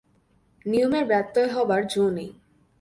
নিয়মের ব্যত্যয় হবার জো নেই।